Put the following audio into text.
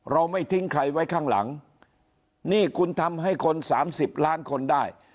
ไม่ทิ้งใครไว้ข้างหลังนี่คุณทำให้คนสามสิบล้านคนได้